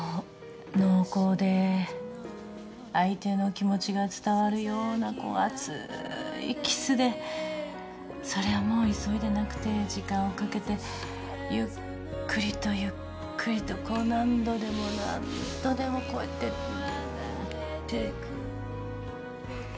濃厚で相手の気持ちが伝わるような熱いキスでそれはもう急いでなくて時間をかけてゆっくりとゆっくりとこう何度でも何度でもこうやってうーんって。